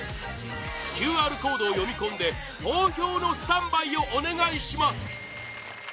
ＱＲコードを読み込んで投票のスタンバイをお願いします！